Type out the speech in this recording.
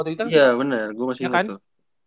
iya bener gue masih inget tuh